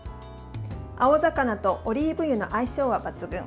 青魚とオリーブ油の相性は抜群。